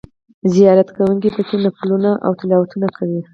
زیارت کوونکي په کې نفلونه او تلاوتونه کوي.